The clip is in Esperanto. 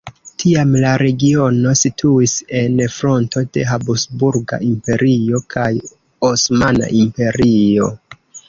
Tiam la regiono situis en fronto de Habsburga Imperio kaj Osmana Imperio.